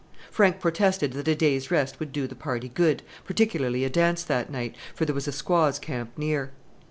Frank protested that a day's rest would do the party good, particularly a dance that night, for there was a squaws' camp near.